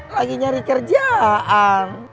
lagi nyari kerjaan